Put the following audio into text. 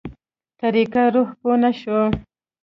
طريقه روح پوه نه شو.